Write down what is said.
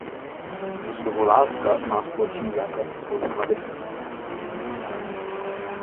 Slovo lávka má společný základ se slovem lavice.